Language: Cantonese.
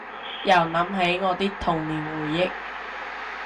又諗起我啲童年回憶